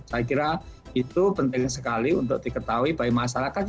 saya kira itu penting sekali untuk diketahui bagi masyarakat